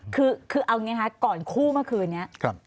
คือเอาอย่างนี้ค่ะก่อนคู่เมื่อคืนนี้